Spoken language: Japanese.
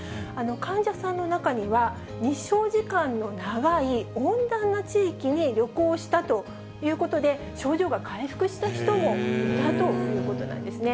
患者さんの中には、日照時間の長い温暖な地域に旅行したということで、症状が回復した人もいたということなんですね。